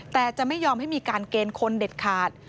แต่จะไม่ยอมให้มีการเกณฑ์คนเด็ดขาด